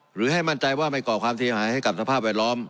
หรือให้มั่นใจว่าไม่ก่อความเสียหายให้กับสภาพแวดล้อม